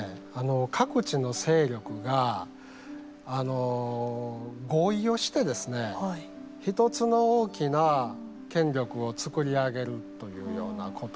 各地の勢力が合意をしてですね一つの大きな権力をつくり上げるというようなことですよね。